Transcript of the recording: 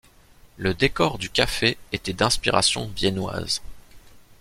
Le décor du Café était d’inspiration viennoise.